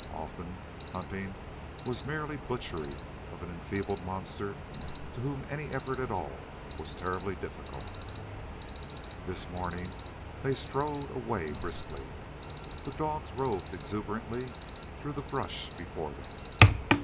Often, hunting was merely butchery of an enfeebled monster to whom any effort at all was terribly difficult. This morning they strode away briskly. The dogs roved exuberantly through the brush before them.